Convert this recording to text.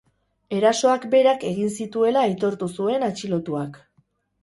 Erasoak berak egin zituela aitortu zuen atxilotuak.